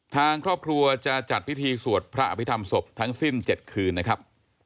ทางครอบครัวจะจัดพิธีสวดพระอภิษฐรรมศพทั้งสิ้น๗คืนนะครับ